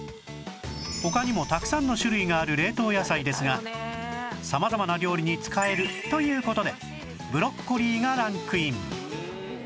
他にもたくさんの種類がある冷凍野菜ですが様々な料理に使えるという事でブロッコリーがランクイン